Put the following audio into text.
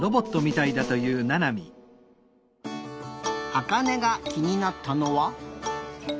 あかねがきになったのは。